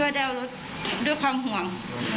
พ่อแด่ดด้วยความห่วง